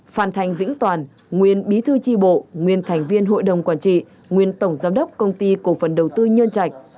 phan thành vĩnh toàn nguyên bí thư tri bộ nguyên thành viên hội đồng quản trị nguyên tổng giám đốc công ty cổ phần đầu tư nhân trạch